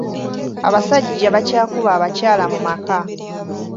Abasajja bakyakuba abakyala mu maka.